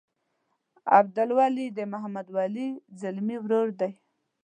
عبدالولي د محمد ولي ځلمي ورور دی.